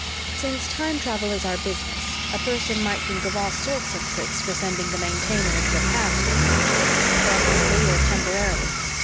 Since time travel is our business, a person might think of all sorts of tricks for sending the Maintainer into the past or future, permanently or temporarily.